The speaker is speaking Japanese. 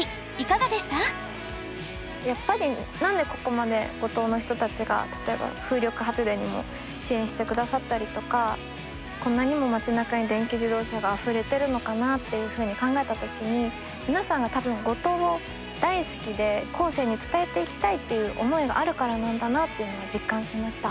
やっぱり何でここまで五島の人たちが例えば風力発電にも支援してくださったりとかこんなにも町なかに電気自動車があふれてるのかなっていうふうに考えた時に皆さんが多分五島を大好きで後世に伝えていきたいっていう思いがあるからなんだなっていうのは実感しました。